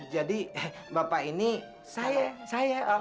jadi bapak ini saya